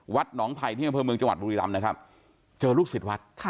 วัดหนองไพที่เมืองจังหวัดบุรีรัมป์นะครับเจอลูกศิษย์วัดค่ะ